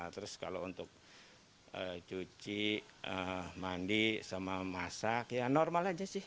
terus kalau untuk cuci mandi sama masak ya normal aja sih